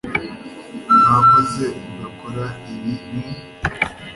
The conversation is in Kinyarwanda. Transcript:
mwakoze mugakora ibibi mu